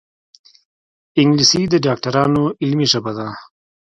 انګلیسي د ډاکټرانو علمي ژبه ده